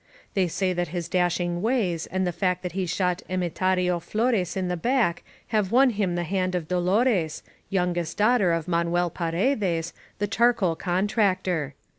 They say that his dashing ways and the fact that he shot Emetario Flores in the back have won him the hand of Dolores, youngest daughter of Manuel Faredes, the charcoal contractor.